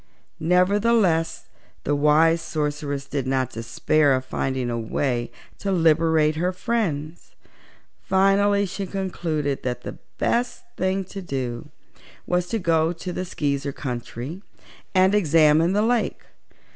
Nevertheless, the wise Sorceress did not despair of finding a way to liberate her friends. Finally she concluded that the best thing to do was to go to the Skeezer country and examine the lake.